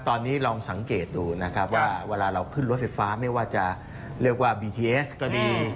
ตอนนี้ลองสังเกตดูนะครับว่าเวลาเราขึ้นรถไฟฟ้าไม่ว่าจะเรียกว่าบีทีเอสก็ดี